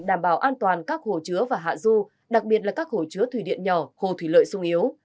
đảm bảo an toàn các hồ chứa và hạ du đặc biệt là các hồ chứa thủy điện nhỏ hồ thủy lợi sung yếu